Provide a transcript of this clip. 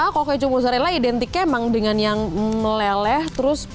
kalau keju mozzarella identiknya emang dengan yang meleleh terus